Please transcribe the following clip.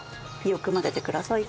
よく混ぜてください。